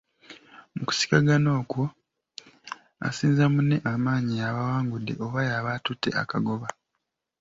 "Mu kusikagana okwo, asinza munne amaanyi y’aba awangudde oba y’aba atutte akagoba."